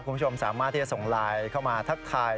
คุณผู้ชมสามารถที่จะส่งไลน์เข้ามาทักทาย